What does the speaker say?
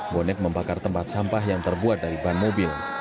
bonek membakar tempat sampah yang terbuat dari ban mobil